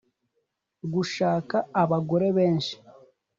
Gushaka abagore benshi